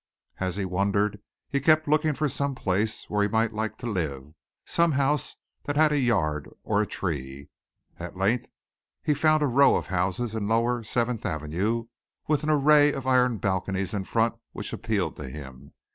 As he wandered he kept looking for some place where he might like to live, some house that had a yard or a tree. At length he found a row of houses in lower Seventh Avenue with an array of iron balconies in front which appealed to him.